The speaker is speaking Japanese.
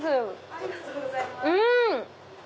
ありがとうございます。